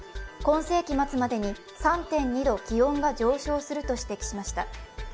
今世紀末までに３．２度気温が上昇すると指摘しました。